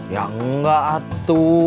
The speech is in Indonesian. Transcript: ya enggak atu